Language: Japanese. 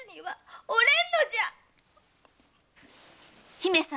姫様。